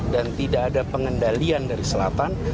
dan tidak ada pengendalian dari selatan